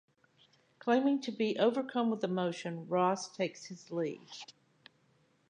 Claiming to be overcome with emotion, Ross takes his leave.